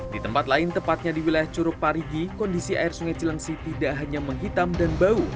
di tempat lain tepatnya di wilayah curug parigi kondisi air sungai cilengsi tidak hanya menghitam dan bau